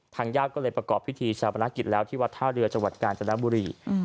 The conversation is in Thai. ญาติก็เลยประกอบพิธีชาปนักกิจแล้วที่วัดท่าเรือจังหวัดกาญจนบุรี